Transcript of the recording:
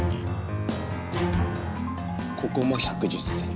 ここも１１０ｃｍ。